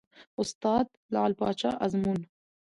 استاد : لعل پاچا ازمون